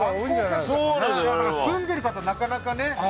住んでる方なかなかね。